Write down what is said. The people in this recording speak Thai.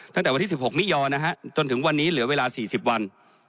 ตั้งแต่วัน๑๖นิยตัวนี้จะเหลือเวลา๔๐วัน